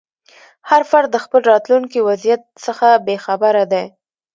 هر فرد د خپل راتلونکي وضعیت څخه بې خبره دی.